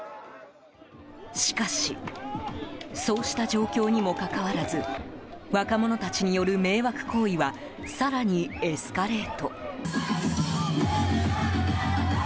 しかしそうした状況にもかかわらず若者たちによる迷惑行為は更にエスカレート。